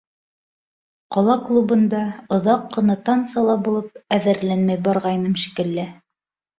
Ҡала клубында оҙаҡ ҡына тансала булып, әҙерләнмәй барғайным шикелле.